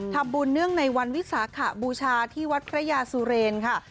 เนื่องในวันวิสาขบูชาที่วัดพระยาสุเรนค่ะ